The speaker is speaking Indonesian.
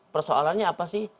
persoalannya apa sih